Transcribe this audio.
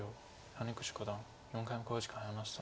谷口五段４回目の考慮時間に入りました。